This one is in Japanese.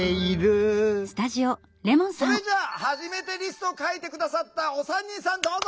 それじゃあ「はじめてリスト」を書いて下さったお三人さんどうぞ！